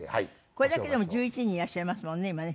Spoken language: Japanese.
これだけでも１１人いらっしゃいますもんね今ね。